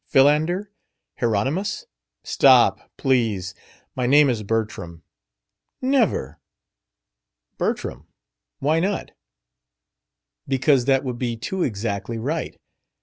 Philander? Hieronymus?" "Stop! please. My name is Bertram." "Never!" "Bertram. Why not?" "Because that would be too exactly right.